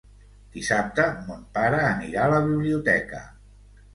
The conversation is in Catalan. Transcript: Dissabte mon pare anirà a la biblioteca.